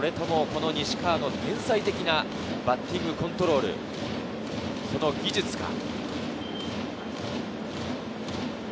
西川の天才的なバッティングコントロール、その技術か？